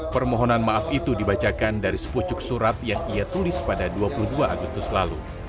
permohonan maaf itu dibacakan dari sepucuk surat yang ia tulis pada dua puluh dua agustus lalu